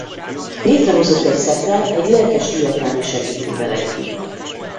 Létrehozott egy szektát egy lelkes vietnámi segítővel együtt.